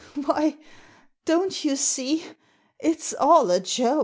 " Why, don't you see it's all a joke